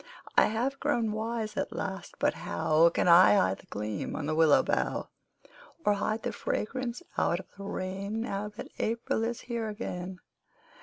I have grown wise at last but how Can I hide the gleam on the willow bough, Or keep the fragrance out of the rain Now that April is here again?